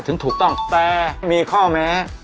ถึงถูกต้องแต่มีข้อแม้